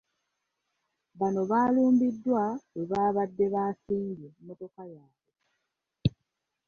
Bano baalumbiddwa webaabadde baasimbye mmotoka yaabwe.